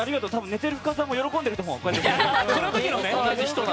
寝てる深澤も喜んでると思う。